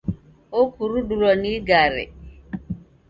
Okurudulwa ni igare.